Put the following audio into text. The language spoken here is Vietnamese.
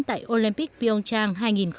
tại olympic pyeongchang hai nghìn một mươi tám